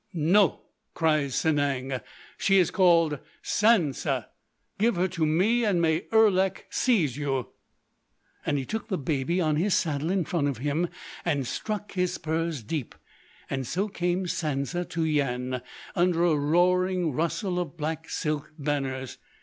'No!' cries Sanang, 'she is called Sansa. Give her to me and may Erlik seize you!' "And he took the baby on his saddle in front of him and struck his spurs deep; and so came Sansa to Yian under a roaring rustle of black silk banners....